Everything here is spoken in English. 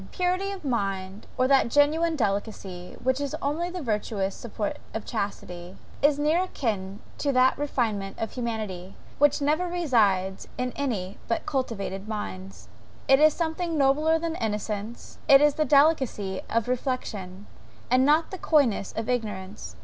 Purity of mind, or that genuine delicacy, which is the only virtuous support of chastity, is near a kin to that refinement of humanity, which never resides in any but cultivated minds. It is something nobler than innocence; it is the delicacy of reflection, and not the coyness of ignorance.